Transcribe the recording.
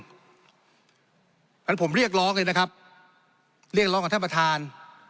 เพราะฉะนั้นผมเรียกร้องเลยนะครับเรียกร้องกับท่านประธาน